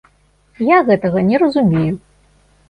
Я гэтага не разумею.